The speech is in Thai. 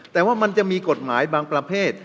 แต่ว่ามันจะมีกฎหมายบางประเภท